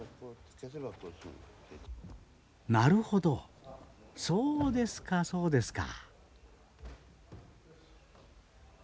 なるほどそうですかそうですか。